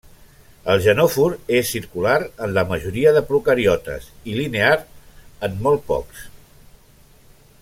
El genòfor és circular en la majoria de procariotes, i linear en molt pocs.